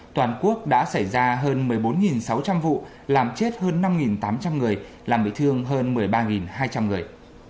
toàn quốc đã xảy ra hơn một mươi bốn sáu trăm linh vụ làm chết hơn năm tám trăm linh người làm bị thương hơn một mươi ba hai trăm linh người